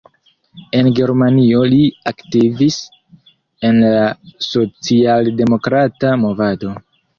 En Germanio li aktivis en la socialdemokrata movado.